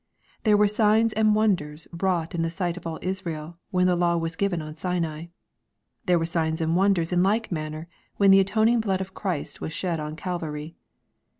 There were signs and wonders wrought in the sight of all Israel, when the law was given on Sinai. There were signs and wonders in like manner when the atoning blood of Christ was shed on Calvary.